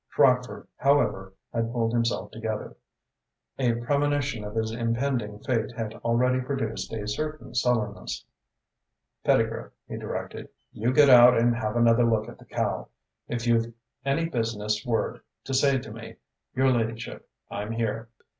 Crockford, however, had pulled himself together. A premonition of his impending fate had already produced a certain sullenness. "Pettigrew," he directed, "you get out and have another look at the cow. If you've any business word to say to me, your ladyship, I'm here."